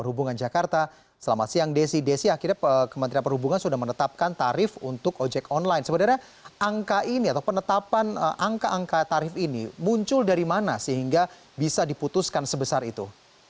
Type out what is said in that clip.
angka angka tarif ini muncul dari mana sehingga bisa diputuskan sebesar itu